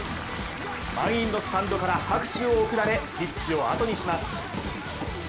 満員のスタンドから拍手を送られピッチを後にします。